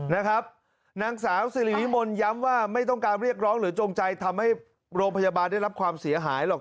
นางสาวสิริวิมลย้ำว่าไม่ต้องการเรียกร้องหรือจงใจทำให้โรงพยาบาลได้รับความเสียหายหรอก